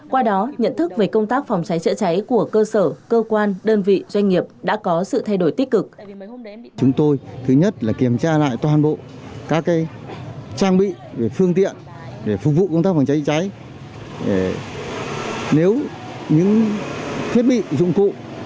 qua đó nhận thức về công tác phòng cháy chữa cháy của cơ sở cơ quan đơn vị doanh nghiệp đã có sự thay đổi tích cực